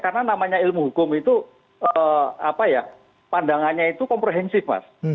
karena namanya ilmu hukum itu ee apa ya pandangannya itu komprehensif mas